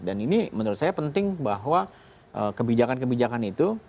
dan ini menurut saya penting bahwa kebijakan kebijakan itu